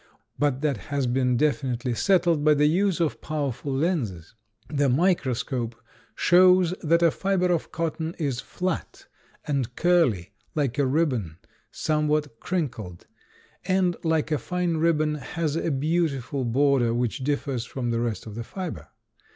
But that has been definitely settled by the use of powerful lenses. The microscope shows that a fiber of cotton is flat and curly like a ribbon somewhat crinkled, and, like a fine ribbon, has a beautiful border which differs from the rest of the fiber.